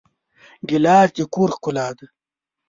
ګیلاس د کور ښکلا ده.